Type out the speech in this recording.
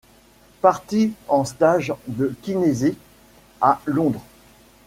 Parti en stage de kinésie à Londres.